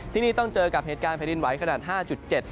ที่นี่ต้องเจอกับเหตุการณ์แผ่นดินไหวขนาด๕๗